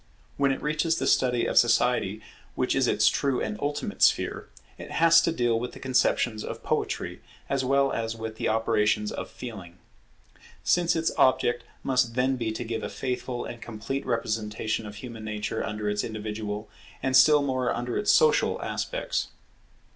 When it reaches the study of Society, which is its true and ultimate sphere, it has to deal with the conceptions of Poetry, as well as with the operations of Feeling: since its object must then be to give a faithful and complete representation of human nature under its individual, and still more under its social, aspects.